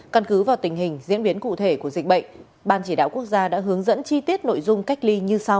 căn cứ vào tình hình diễn biến cụ thể của dịch bệnh ban chỉ đạo quốc gia đã hướng dẫn chi tiết nội dung cách ly như sau